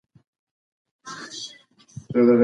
زه به خپله وروستۍ ازموینه په ډېرې نره ورۍ سره ورکوم.